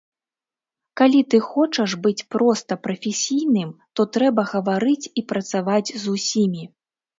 Калі ты хочаш быць проста прафесійным, то трэба гаварыць і працаваць з усімі.